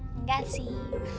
heh enggak sih